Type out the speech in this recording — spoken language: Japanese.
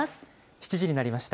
７時になりました。